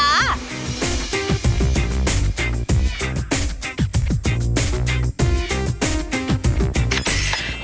แล้วก็ปล่อยให้สาวปุยปั่นส่วนผสมให้ละเอียดเลยจ๊ะ